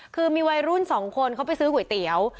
คือมีวัยรุ่นสองคนเขาไปซื้อก๋วยเตี๋ยว